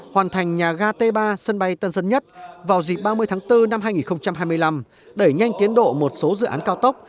hoàn thành nhà ga t ba sân bay tân sơn nhất vào dịp ba mươi tháng bốn năm hai nghìn hai mươi năm đẩy nhanh tiến độ một số dự án cao tốc